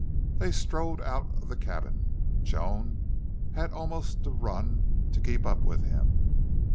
Then he strode out of the cabin. Joan had almost to run to keep up with him.